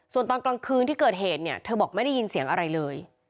ส่วนตอนกลางคืนที่เกิดเหตุเนี่ยเธอบอกไม่ได้ยินเสียงอะไรเลย